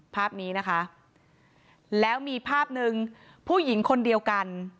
ภาพนี้นะคะแล้วมีภาพหนึ่งผู้หญิงคนเดียวกัน